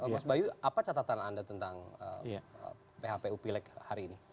mas bayu apa catatan anda tentang phpu pileg hari ini